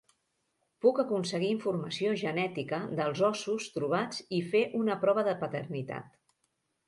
Puc aconseguir informació genètica dels ossos trobats i fer una prova de paternitat.